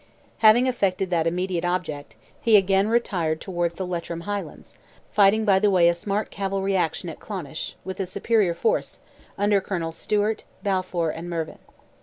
Having effected that immediate object, he again retired towards the Leitrim highlands, fighting by the way a smart cavalry action at Clonish, with a superior force, under Colonels Stewart, Balfour, and Mervyn.